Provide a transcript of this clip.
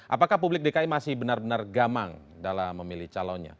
apakah publik dki masih benar benar gamang dalam memilih calonnya